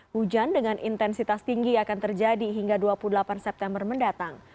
hujan dengan intensitas tinggi akan terjadi hingga dua puluh delapan september mendatang